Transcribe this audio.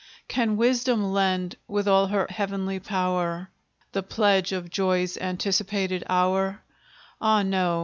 Can Wisdom lend, with all her heavenly power, The pledge of Joy's anticipated hour? Ah no!